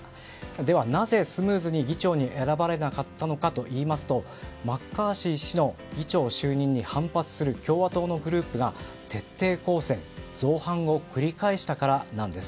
ではなぜスムーズに議長に選ばれなかったのかというとマッカーシー氏の議長就任に反発する共和党のグループが徹底抗戦造反を繰り返したからなんです。